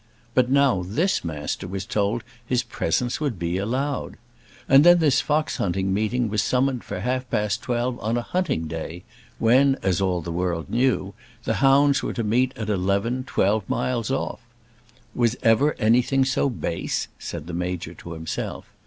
But now this Master was told his presence would be allowed! And then this fox hunting meeting was summoned for half past twelve on a hunting day; when, as all the world knew, the hounds were to meet at eleven, twelve miles off! Was ever anything so base? said the Major to himself.